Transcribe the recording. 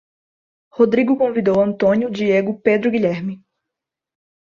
Rodrigo convidou Antônio, Diego, Pedro, Guilherme